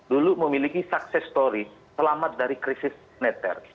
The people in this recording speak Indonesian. dulu memiliki sukses story selamat dari krisis netter